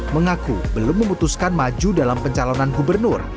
mengaku belum memutuskan maju dalam pencalonan gubernur